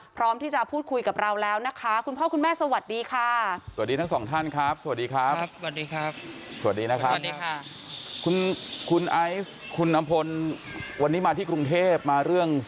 พร้อมที่จะพูดคุยกับเราแล้วนะคะคุณพ่อคุณแม่สวัสดีค่ะ